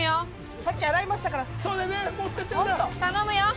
さっき洗いましたから。